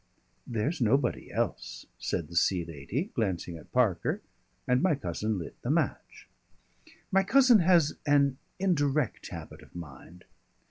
"There's nobody else," said the Sea Lady, glancing at Parker, and my cousin lit the match. My cousin has an indirect habit of mind.